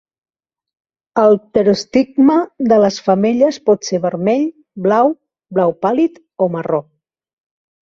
El pterostigma de les femelles pot ser vermell, blau, blau pàl·lid o marró.